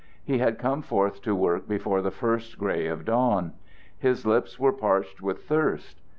He had come forth to work before the first gray of dawn. His lips were parched with thirst.